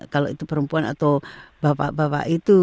kalau itu perempuan atau bapak bapak itu